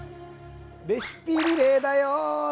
レシピリレーだよ！